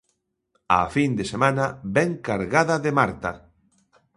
A fin de semana vén cargada de Marta.